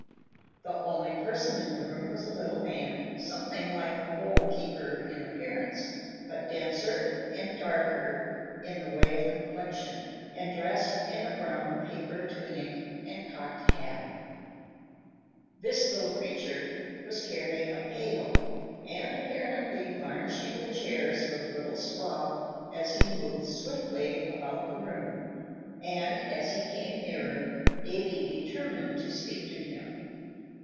The only person in the room was a little man, something like the Hole keeper in appearance, but denser and darker in the way of complexion, and dressed in a brown paper tunic and cocked hat. This little creature was carrying a pail, and apparently varnishing the chairs with a little swab as he moved swiftly about the room; and, as he came nearer, Davy determined to speak to him.